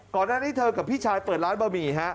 ก่อนหน้านี้เธอกับพี่ชายเปิดร้านบะหมี่ฮะ